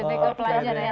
jadi kau pelajaran ya